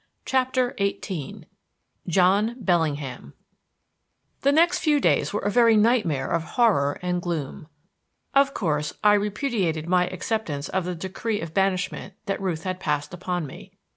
CHAPTER XVIII JOHN BELLINGHAM The next few days were a very nightmare of horror and gloom. Of course, I repudiated my acceptance of the decree of banishment that Ruth had passed upon me.